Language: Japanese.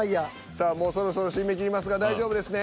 さあもうそろそろ締め切りますが大丈夫ですね？